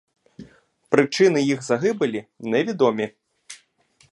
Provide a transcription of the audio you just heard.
Причини їх загибелі невідомі.